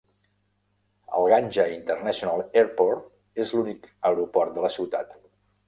El Ganja International Airport és l'únic aeroport de la ciutat.